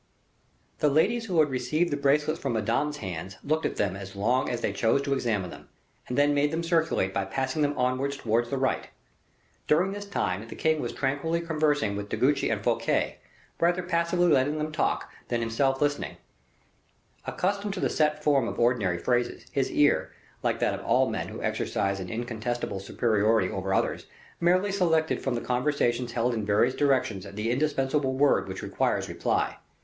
The ladies who had received the bracelets from Madame's hands looked at them as long as they chose to examine them, and then made them circulate by passing them on towards the right. During this time the king was tranquilly conversing with De Guiche and Fouquet, rather passively letting them talk than himself listening. Accustomed to the set form of ordinary phrases, his ear, like that of all men who exercise an incontestable superiority over others, merely selected from the conversations held in various directions the indispensable word which requires reply.